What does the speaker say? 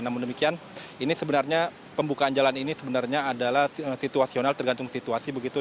namun demikian ini sebenarnya pembukaan jalan ini sebenarnya adalah situasional tergantung situasi begitu